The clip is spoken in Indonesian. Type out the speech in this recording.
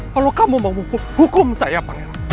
kalau kamu mau ngukum hukum saya pangeran